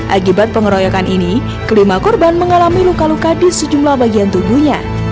akibat pengeroyokan ini kelima korban mengalami luka luka di sejumlah bagian tubuhnya